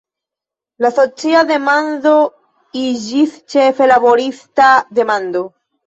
La socia demando iĝis ĉefe laborista demando.